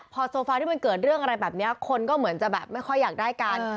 พอโซฟาที่มันเกิดเรื่องอะไรแบบนี้คนก็เหมือนจะแบบไม่ค่อยอยากได้กัน